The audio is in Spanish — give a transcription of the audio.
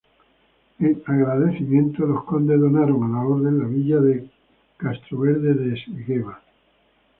En agradecimiento, los condes donaron a la orden la villa de Castroverde de Esgueva.